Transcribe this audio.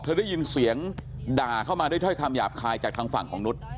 ได้ยินเสียงด่าเข้ามาด้วยถ้อยคำหยาบคายจากทางฝั่งของนุษย์